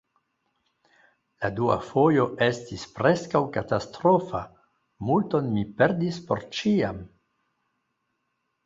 La dua fojo estis preskaŭ katastrofa: multon mi perdis por ĉiam.